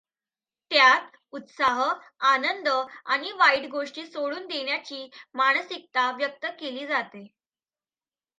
त्यांत उत्साह, आनंद, आणि वाईट गोष्टी सोडून देण्याची मानसिकता व्यक्त केली जाते.